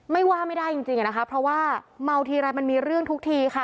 ไม่ว่าไม่ได้จริงอะนะคะเพราะว่าเมาทีไรมันมีเรื่องทุกทีค่ะ